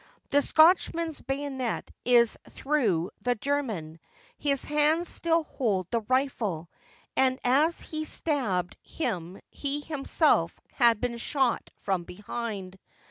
The Scotchman's bayonet is through the German — his hands still hold the rifle — and as he stabbed him he himself had been shot from behind.